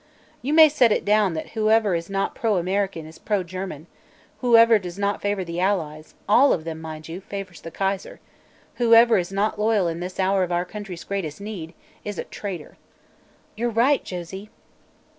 You may set it down that whoever is not pro American is pro German; whoever does not favor the Allies all of them, mind you favors the Kaiser; whoever is not loyal in this hour of our country's greatest need is a traitor." "You're right, Josie!"